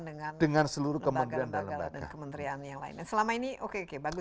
dengan dengan seluruh kementerian dan lembaga dan kementerian yang lainnya selama ini oke oke bagus